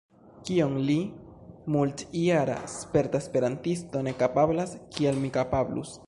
Kion li, multjara sperta esperantisto, ne kapablas, kiel mi kapablus?